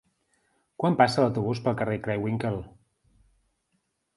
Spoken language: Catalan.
Quan passa l'autobús pel carrer Craywinckel?